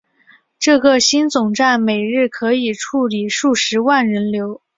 这个新总站每日可处理数十万人流。